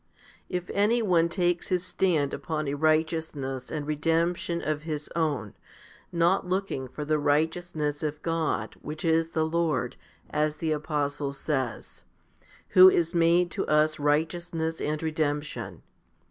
3. If anyone takes his stand upon a righteousness and redemption of his own, not looking for the righteousness of God which is the Lord, as the apostle says, Who is made to its righteousness and redemption?